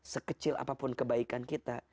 sekecil apapun kebaikan kita